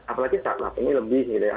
apalagi start up ini lebih gitu ya